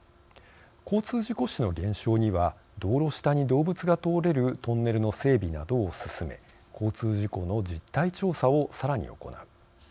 交通事故死の減少には道路下に動物が通れるトンネルの整備などを進め交通事故の実態調査をさらに行う。